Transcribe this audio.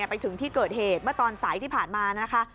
ไปถึงที่เกิดเหตุเมื่อตอนสายที่ผ่านมานะคะ